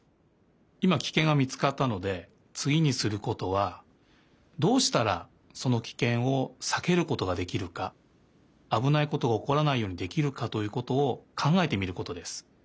いまキケンがみつかったのでつぎにすることはどうしたらそのキケンをさけることができるかあぶないことがおこらないようにできるかということをかんがえてみることです。